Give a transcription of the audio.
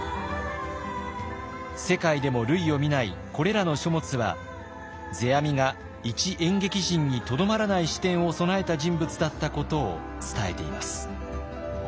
世界でも類を見ないこれらの書物は世阿弥が一演劇人にとどまらない視点を備えた人物だったことを伝えています。